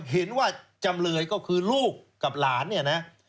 เห็นว่าจำเลยก็คือลูกกับหลาน